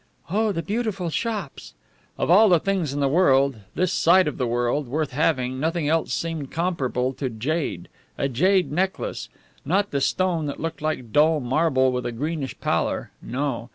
"Oh, the beautiful shops!" Of all the things in the world this side of the world worth having, nothing else seemed comparable to jade a jade necklace. Not the stone that looked like dull marble with a greenish pallor no.